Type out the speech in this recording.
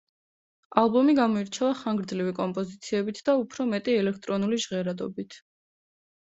ალბომი გამოირჩევა ხანგრძლივი კომპოზიციებით და უფრო მეტი ელექტრონული ჟღერადობით.